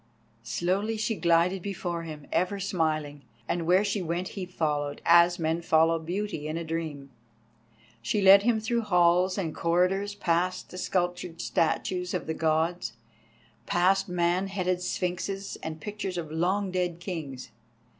Slowly she glided before him, ever smiling, and where she went he followed, as men follow beauty in a dream. She led him through halls and corridors, past the sculptured statues of the Gods, past man headed sphinxes, and pictures of long dead kings.